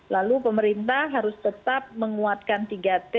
lalu pemerintah harus tetap menguatkan tiga t